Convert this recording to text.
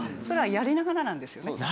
それはやりながらなんですよね。